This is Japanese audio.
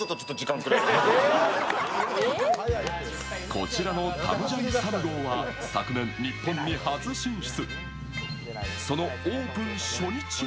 こちらのタムジャイサムゴーは昨年日本に初進出。